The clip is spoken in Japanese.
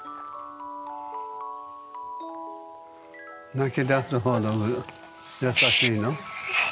泣きだすほど優しいの？